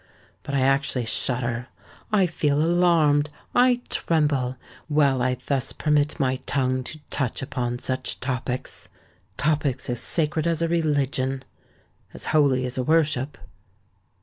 But I actually shudder—I feel alarmed—I tremble, while I thus permit my tongue to touch upon such topics,—topics as sacred as a religion—as holy as a worship."